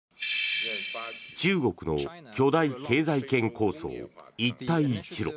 中国の巨大経済圏構想一帯一路。